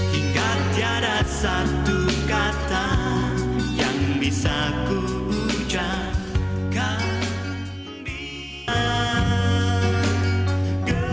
hingga jarak satu kata yang bisa ku ucapkan